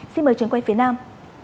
xin mời trường quay phía nam